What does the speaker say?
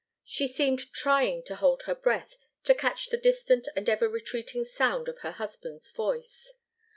She seemed trying to hold her breath to catch the distant and ever retreating sound of her husband's voice.